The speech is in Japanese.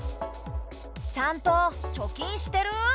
ちゃんと貯金してる？